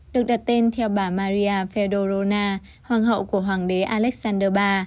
được đặt tên theo bà maria fedorovna hoàng hậu của hoàng đế alexander iii